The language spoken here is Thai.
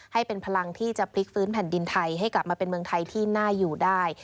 ให้เป็นพลังที่จะพลิกฟื้นแผ่นดินไทยให้กลับมาเป็นเมืองไทยที่น่าอยู่ได้